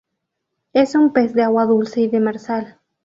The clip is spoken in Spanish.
Es un pez de agua dulce y demersal.